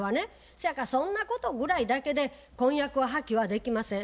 そやからそんなことぐらいだけで婚約は破棄はできません。